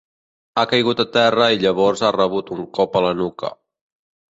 Ha caigut a terra i llavors ha rebut un cop a la nuca.